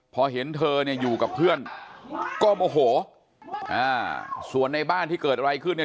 พอเห็นเธอเนี่ยอยู่กับเพื่อนก็โมโหอ่าส่วนในบ้านที่เกิดอะไรขึ้นเนี่ย